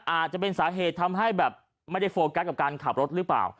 อาจจะเป็นสาเหตุทำให้แบบไม่ได้โฟกัสกับการขับรถหรือเปล่า